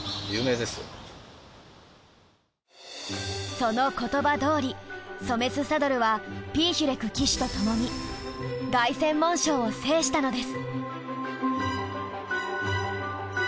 その言葉どおりソメスサドルはピーヒュレク騎手とともに凱旋門賞を制したのです。